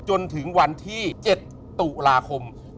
จนถึงวันที่๗ตุลาคม